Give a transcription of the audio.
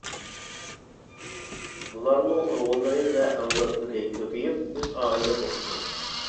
بۇلارنىڭ ئوغۇللىرى ۋە ئەۋلادلىرى كۆپىيىپ، يۈز ئائىلە بوپتۇ.